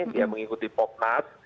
dia mengikuti popnas